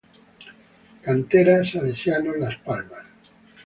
Cantera Salesianos Las Palmas.